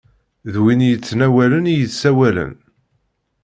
D win i yettnawalen i yessawalen.